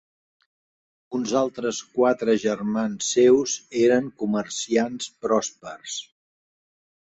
Uns altres quatre germans seus eren comerciants pròspers.